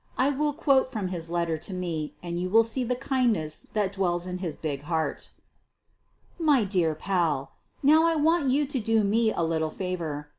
I will quote from his letter to me and you will see the kindness that dwells in his big heart: My dear Pal :— Now, I want you to do me a little favor.